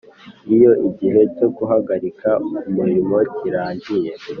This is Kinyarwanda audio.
Iyo igihe cyo guhagarika umurimo kirangiye